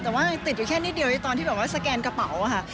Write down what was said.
แต่ว่าติดอยู่แค่นิดเดียวตอนที่สแกนกระเป๋าค่ะ